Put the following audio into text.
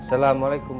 assalamualaikum wr wb